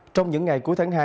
trong những ngày cuối tháng hai